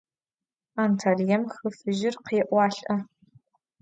Antaliêm Xı Fıjır khêualh'e.